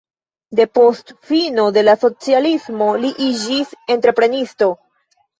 Depost fino de la socialismo li iĝis entreprenisto.